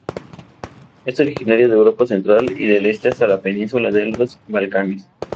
Es originaria de Europa central y del este hasta la Península de los Balcanes.